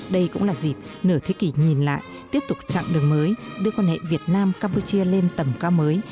đây cũng là dịp nửa thế kỷ nhìn lại tiếp tục chặng đường mới đưa quan hệ việt nam campuchia lên tầm cao mới